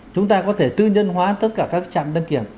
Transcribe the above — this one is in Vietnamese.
chúng ta có thể tư nhân hóa tất cả các trạm đăng kiểm